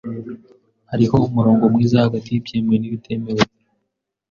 Hariho umurongo mwiza hagati y'ibyemewe n'ibitemewe.